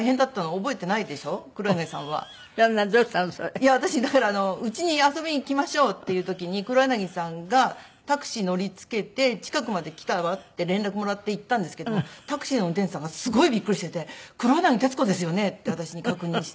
いや私だからうちに遊びに来ましょうっていう時に黒柳さんがタクシー乗りつけて「近くまで来たわ」って連絡もらって行ったんですけどもタクシーの運転手さんがすごいびっくりしてて「黒柳徹子ですよね？」って私に確認して。